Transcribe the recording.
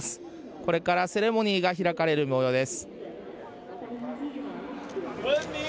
これからセレモニーが開かれるもようです。